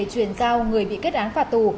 truyền giao người bị kết án phạt tù